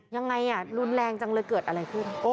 อย่างไรอะรุนแรงจังเลยเกิดอะไร